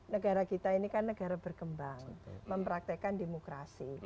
negara kita ini kan negara berkembang mempraktekkan demokrasi